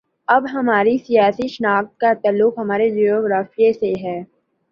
اب ہماری سیاسی شناخت کا تعلق ہمارے جغرافیے سے ہے۔